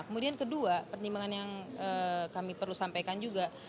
kemudian kedua pertimbangan yang kami perlu sampaikan juga